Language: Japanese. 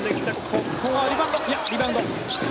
ここはリバウンド。